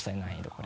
これ。